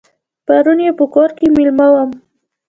پرون یې په کور کې مېلمه وم.